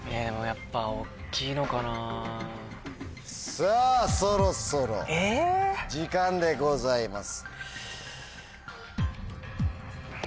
さぁそろそろ時間でございます。